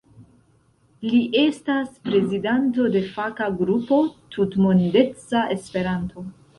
Li estas prezidanto de faka grupo "Tutmondeca Esperanto".